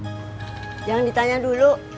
emak jangan ditanya dulu